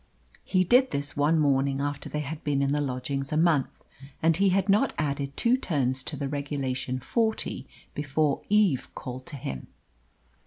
He did this one morning after they had been in the lodgings a month, and he had not added two turns to the regulation forty before Eve called to him.